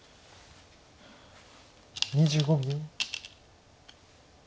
２５秒。